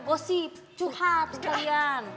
gosip curhat sekalian